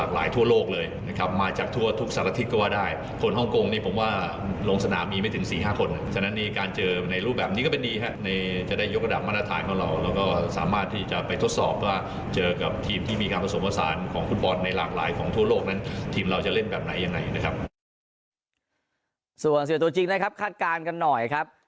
หลายของทั่วโลกนั้นทีมเราจะเล่นแบบไหนอย่างไรนะครับ